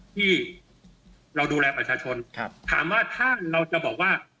ที่เราดูแลประชาชนถามว่าถ้าเราจะบอกว่า